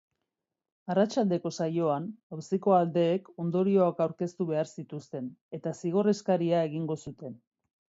Arratsaldeko saioan auziko aldeek ondorioak aurkeztu behar zituzten eta zigor eskaria egingo zuten.